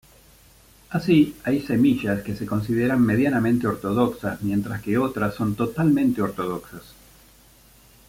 Así, hay semillas que se consideran medianamente ortodoxas mientras que otras son totalmente ortodoxas.